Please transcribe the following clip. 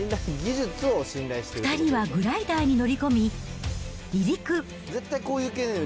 ２人はグライダーに乗り込み、離陸。